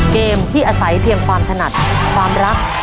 เกมที่อาศัยเพียงความถนัดความรัก